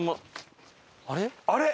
あれ？